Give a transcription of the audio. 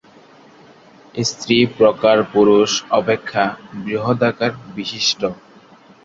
স্ত্রী প্রকার পুরুষ অপেক্ষা বৃহদাকার বিশিষ্ট।